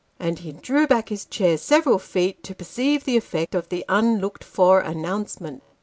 And he drew back his chair, several feet, to perceive the effect of the unlooked for announcement.